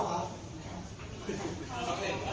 ขอบคุณครับ